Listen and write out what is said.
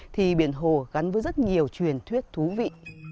thì biển hồ gắn với rất nhiều truyền thuyết thú vị